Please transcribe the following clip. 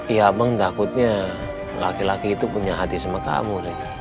ya emang takutnya laki laki itu punya hati sama kamu